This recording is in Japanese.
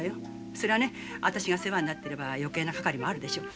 そりゃね私が世話になってれば余計なかかりもあるでしょう。